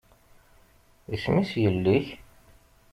Isem-is yelli-k?